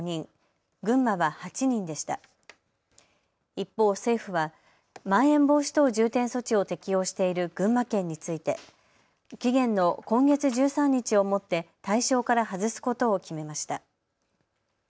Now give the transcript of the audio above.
一方、政府はまん延防止等重点措置を適用している群馬県について期限の今月１３日をもって対象から外すことを決めました。